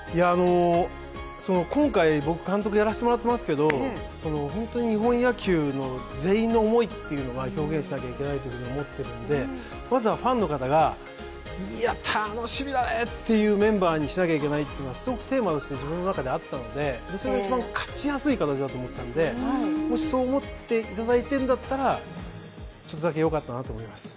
今回、僕監督やらせてもらってますけど日本野球全員の思いは表現しなきゃいけないと思っているんで、まずはファンの方が楽しみだねというメンバーにしなきゃいけないというのはテーマとして自分の中であったので、それが一番勝ちやすい形だと思ったのでもしそう思っていただいているんだったらちょっとだけよかったなと思います。